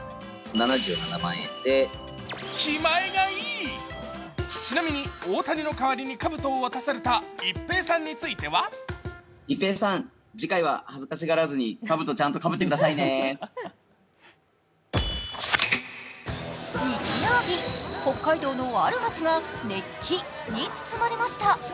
気前がいい、ちなみに大谷の代わりにかぶとを渡された一平さんについては日曜日、北海道のある町が熱気に包まれました。